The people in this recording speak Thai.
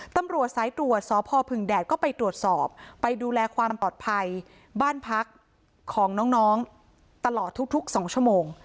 ตำรวจสายตรวจสพพึ่งแดดก็ไปตรวจสอบไปดูแลความปลอดภัยบ้านพักของน้องตลอดทุก๒ชั่วโมง